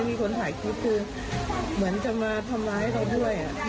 มักไม่ต้องใช้ให้มันก็ได้